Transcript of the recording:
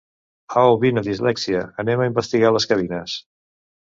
Au vine Dislèxia, anem a investigar les cabines.